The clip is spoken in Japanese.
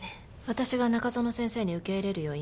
私が中園先生に受け入れるよう言いました。